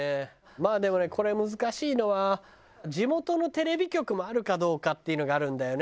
まあでもねこれ難しいのは地元のテレビ局もあるかどうかっていうのがあるんだよね。